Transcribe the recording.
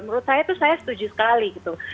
menurut saya itu saya setuju sekali gitu